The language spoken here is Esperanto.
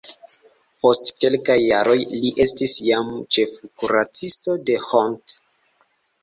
Post kelkaj jaroj li estis jam ĉefkuracisto de Hont.